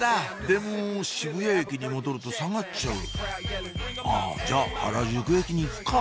でも渋谷駅に戻ると下がっちゃうあじゃあ原宿駅に行くか